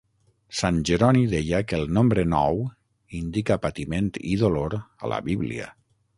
Sant Jeroni deia que el nombre nou indica patiment i dolor a la Bíblia.